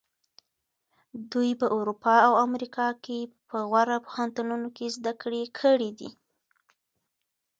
دوی په اروپا او امریکا کې په غوره پوهنتونونو کې زده کړې کړې دي.